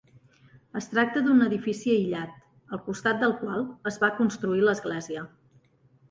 Es tracta d'un edifici aïllat, al costat del qual es va construir l'església.